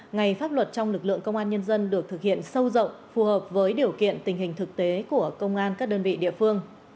ngày pháp luật trong lực lượng công an nhân dân được thực hiện sâu rộng phù hợp với điều kiện tình hình thực tế của công an các đơn vị địa phương